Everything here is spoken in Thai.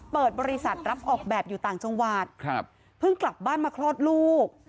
เปิดบริษัทรับออกแบบอยู่ต่างจังหวัดครับเพิ่งกลับบ้านมาคลอดลูก